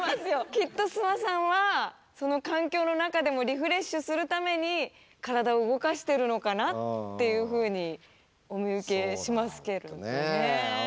きっと諏訪さんはその環境の中でもリフレッシュするために体を動かしてるのかなっていうふうにお見受けしますけどね。